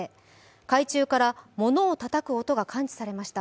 海中から物をたたく音が感知されました。